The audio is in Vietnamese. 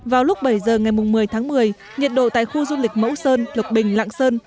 vào lúc bảy giờ ngày một mươi tháng một mươi nhiệt độ tại khu du lịch mẫu sơn lộc bình lạng sơn